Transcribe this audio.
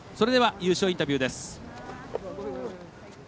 優勝インタビューです。